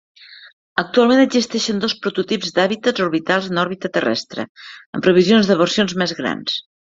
Actualment existeixen dos prototips d'hàbitats orbitals en òrbita terrestre, amb previsions de versions més grans.